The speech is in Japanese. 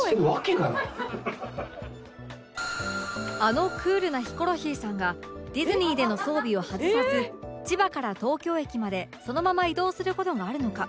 あのクールなヒコロヒーさんがディズニーでの装備を外さず千葉から東京駅までそのまま移動する事があるのか？